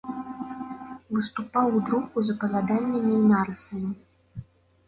Выступаў у друку з апавяданнямі і нарысамі.